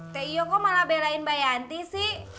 teh iyo kok malah belain mbak yanti sih